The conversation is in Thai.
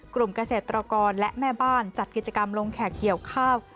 กลุ่มเกษตรกรและแม่บ้านจัดกิจกรรมลงแขกเหี่ยวข้าว